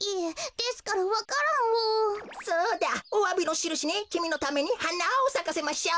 そうだおわびのしるしにきみのためにはなをさかせましょう。